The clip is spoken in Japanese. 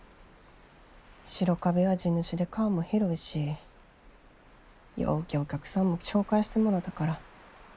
白壁は地主で顔も広いしようけお客さんも紹介してもろたから。